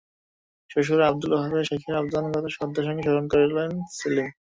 শ্বশুর আবদুল ওয়াহাব শেখের অবদানের কথা শ্রদ্ধার সঙ্গে স্মরণ করেন সেলিম।